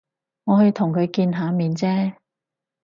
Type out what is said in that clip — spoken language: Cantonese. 我去同佢見下面啫